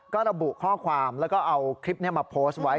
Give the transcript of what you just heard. ก็ระบุข้อความแล้วก็เอาคลิปนี้มาโพสต์ไว้